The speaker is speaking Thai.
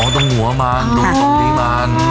อ๋อตรงหัวมันตรงตรงนี้มัน